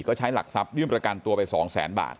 ก็ใช้หลักทรัพยื่นประกันตัวไป๒แสนบาท